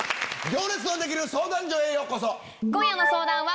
『行列のできる相談所』へようこそ。